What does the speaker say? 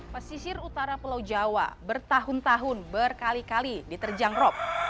pesisir utara pulau jawa bertahun tahun berkali kali diterjang rop